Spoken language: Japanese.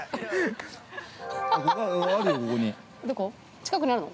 近くにあるの？